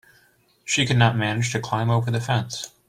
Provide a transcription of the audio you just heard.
She could not manage to climb over the fence.